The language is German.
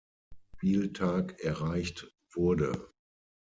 Spieltag erreicht wurde.